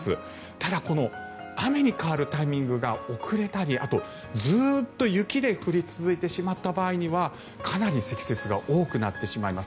ただ、この雨に変わるタイミングが遅れたりあと、ずっと雪で降り続いてしまった場合にはかなり積雪が多くなってしまいます。